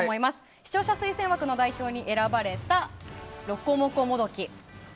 視聴者推薦枠に選ばれたロコモコもどき。